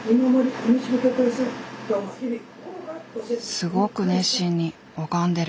すごく熱心に拝んでる。